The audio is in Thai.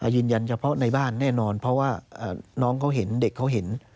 ยืนยันเฉพาะในบ้านแน่นอนเพราะว่าน้องเขาเห็นเด็กเขาเห็น